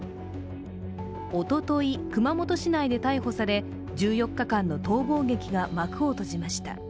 おととい、熊本市内で逮捕され、１４日間の逃亡劇が幕を閉じました。